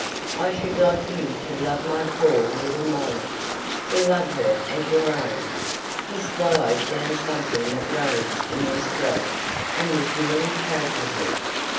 I should like you to love my poor little Molly, to love her as your own " He swallowed down something that rose in his throat, and was nearly choking him.